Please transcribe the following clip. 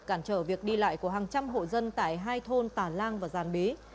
cản trở việc đi lại của hàng trăm hộ dân tại hai thôn tà lan và giàn bí